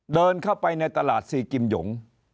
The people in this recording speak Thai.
เดินเข้าไปในตลาดซีกิมหยง